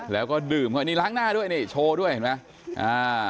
แล้วก็ดื่มเขานี่ล้างหน้าด้วยนี่โชว์ด้วยเห็นไหมอ่า